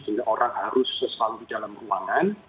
sehingga orang harus selalu di dalam ruangan